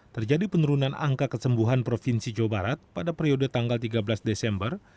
terjadi penurunan angka kesembuhan provinsi jawa barat pada periode tanggal tiga belas desember